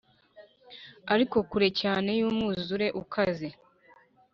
ariko kure cyane yumwuzure ukaze,